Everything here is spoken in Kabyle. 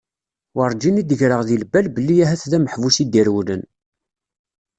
Werǧin i d-greɣ di lbal belli ahat d ameḥbus i d-irewlen.